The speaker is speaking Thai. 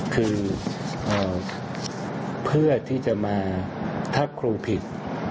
คือเพื่อที่จะมาถ้าครูผิด